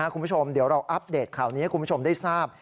คุณผู้ชมเดี๋ยวเราอัปเดตข่าวนี้ให้คุณผู้ชมได้ทราบ